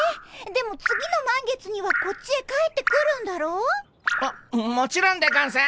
でも次の満月にはこっちへ帰ってくるんだろ？ももちろんでゴンス。